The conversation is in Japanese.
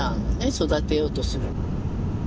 育てようとする。